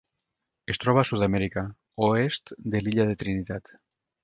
Es troba a Sud-amèrica: oest de l'illa de Trinitat.